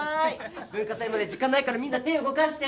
文化祭まで時間ないからみんな手動かして。